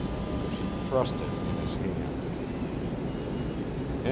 She thrust it in his hand.